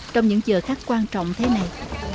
trong những giờ khắc quan trọng thế này